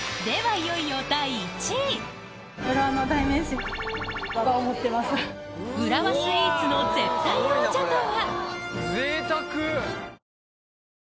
いよいよ浦和スイーツの絶対王者とは？